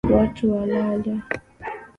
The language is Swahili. Watu walale.